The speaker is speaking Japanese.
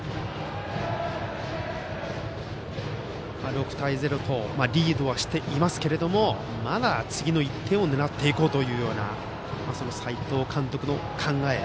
６対０とリードしていますがまだ次の１点を狙っていこうというような斎藤監督の考え。